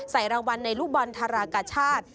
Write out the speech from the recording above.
รางวัลในลูกบอลธารากาชาติ